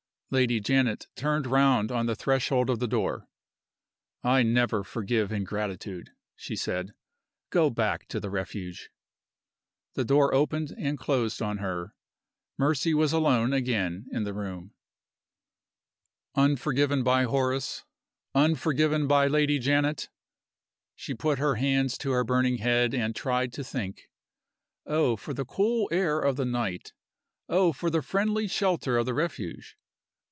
Lady Janet turned round on the threshold of the door. "I never forgive ingratitude," she said. "Go back to the Refuge." The door opened and closed on her. Mercy was alone again in the room. Unforgiven by Horace, unforgiven by Lady Janet! She put her hands to her burning head and tried to think. Oh, for the cool air of the night! Oh, for the friendly shelter of the Refuge!